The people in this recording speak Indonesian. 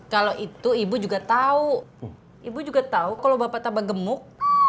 kalau itu ibu juga tahu ibu juga tahu kalau bapak tambah gemuk